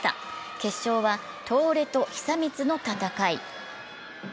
決勝は、東レと久光の戦い。